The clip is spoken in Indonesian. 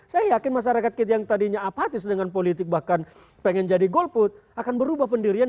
saya yakin masyarakat kita yang tadinya apatis dengan politik bahkan pengen jadi golput akan berubah pendirian